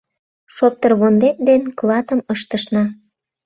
Шоптырвондет ден клатым ыштышна.